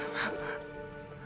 bener gak apa apa pak